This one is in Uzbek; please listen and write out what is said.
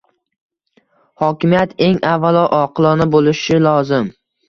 Hokimiyat eng avvalo oqilona bo‘lishi lozim.